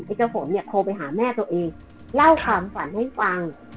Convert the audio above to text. เจ้าฝนเนี่ยโทรไปหาแม่ตัวเองเล่าความฝันให้ฟัง